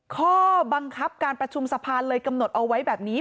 ข้อบังคับการประชุมสะพานเลยกำหนดเอาไว้แบบนี้